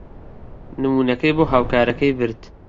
نموونەکەی بۆ هاوکارەکەی برد.